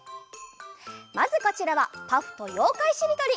まずこちらは「パフ」と「ようかいしりとり」。